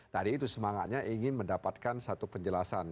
tadi itu semangatnya ingin mendapatkan satu penjelasan